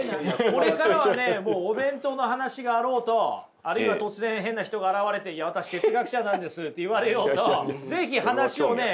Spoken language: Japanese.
これからはねもうお弁当の話があろうとあるいは突然変な人が現れて「いや私哲学者なんです」って言われようと是非話をね